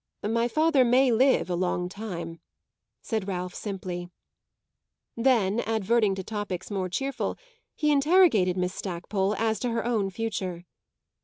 "My father may live a long time," said Ralph simply. Then, adverting to topics more cheerful, he interrogated Miss Stackpole as to her own future.